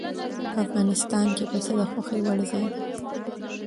په افغانستان کې پسه د خوښې وړ ځای دی.